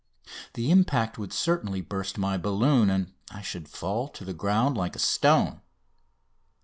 The impact would certainly burst my balloon, and I should fall to the ground like a stone.